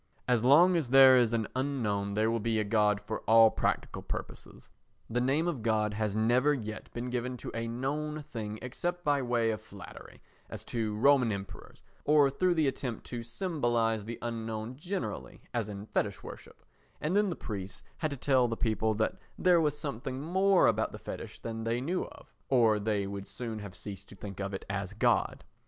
As long as there is an unknown there will be a God for all practical purposes; the name of God has never yet been given to a known thing except by way of flattery, as to Roman Emperors, or through the attempt to symbolise the unknown generally, as in fetish worship, and then the priests had to tell the people that there was something more about the fetish than they knew of, or they would soon have ceased to think of it as God.